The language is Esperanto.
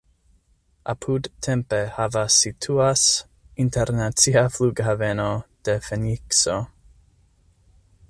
Apud Tempe havas situas internacia flughaveno de Fenikso.